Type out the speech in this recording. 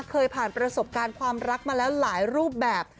เคยผ่านประสบการณ์ความรักมาแล้วหลายรูปแบบ